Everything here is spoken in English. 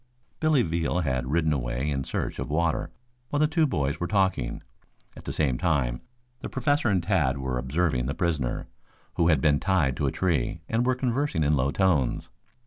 Billy Veal had ridden away in search of water while the two boys were talking. At the same time the Professor and Tad were observing the prisoner, who had been tied to a tree, and were conversing in low tones.